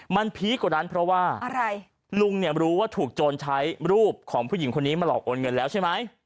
มันพีคกว่านั้นเพราะว่าอะไรลุงเนี่ยรู้ว่าถูกโจรใช้รูปของผู้หญิงคนนี้มาหลอกโอนเงินแล้วใช่ไหม